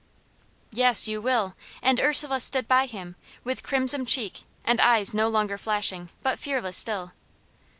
"Yes you will." And Ursula stood by him, with crimsoned cheek, and eyes no longer flashing, but fearless still.